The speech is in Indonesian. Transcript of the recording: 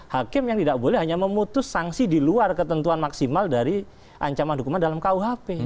hakim yang tidak boleh hanya memutus sanksi di luar ketentuan maksimal dari ancaman hukuman dalam kuhp